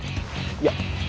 いや。